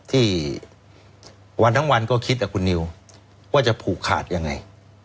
ที่วันทั้งวันก็คิดนะคุณนิวว่าจะผูกขาดยังไง